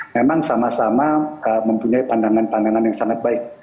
memang sama sama mempunyai pandangan pandangan yang sangat baik